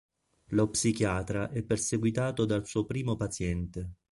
Lo psichiatra è perseguitato dal suo primo paziente.